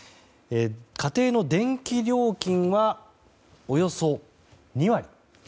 家庭の電気料金は、およそ２割。